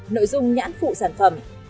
nội dung nhãn phụ sản phẩm